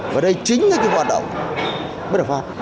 và đây chính là cái hoạt động mới được phát